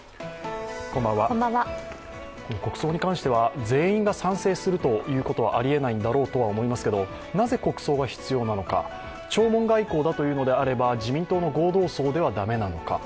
国葬に関しては全員が賛成するということはありえないんだろうとは思いますけれども、なぜ国葬が必要なのか、弔問外交だというのであれば、自民党の合同葬では駄目なのか。